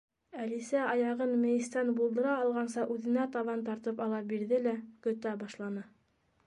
Әлисә аяғын мейестән булдыра алғанса үҙенә табан тартып ала бирҙе лә көтә башланы.